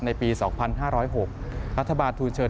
ในปี๒๕๐๖รัฐบาลทูลเชิญ